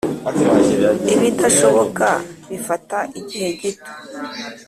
ibidashoboka bifata igihe gito